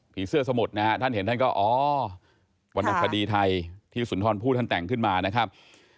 เสื้อสมุทรนะฮะท่านเห็นท่านก็อ๋อวรรณคดีไทยที่สุนทรพูดท่านแต่งขึ้นมานะครับ